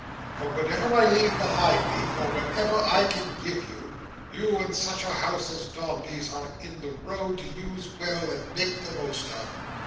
But whatever I leave behind me, or whatever I can give you, you in such a House as Dombey's are in the road to use well and make the most of.